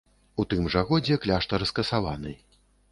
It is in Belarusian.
У тым жа годзе кляштар скасаваны.